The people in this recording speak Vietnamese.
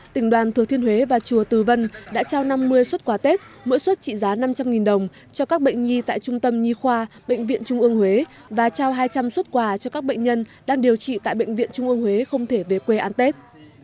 tỉnh đoàn thừa thiên huế và chùa từ vân đã trao năm mươi xuất quà tết mỗi suất trị giá năm trăm linh đồng cho các bệnh nhi tại trung tâm nhi khoa bệnh viện trung ương huế và trao hai trăm linh xuất quà cho các bệnh nhân đang điều trị tại bệnh viện trung ương huế không thể về quê ăn tết